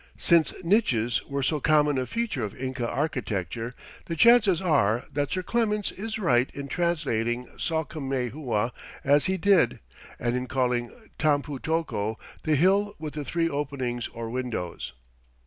Since niches were so common a feature of Inca architecture, the chances are that Sir Clements is right in translating Salcamayhua as he did and in calling Tampu tocco "the hill with the three openings or windows."